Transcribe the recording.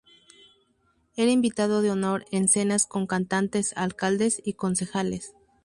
Era invitado de honor en cenas con cantantes, alcaldes y concejales.